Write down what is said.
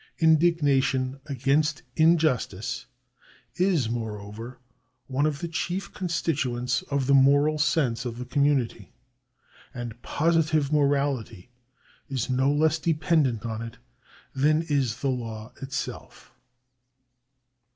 Indignation against injustice is, moreover, one of the chief constituents of the moral sense of the community, and positive morality is no less dependent on it than is the law itself.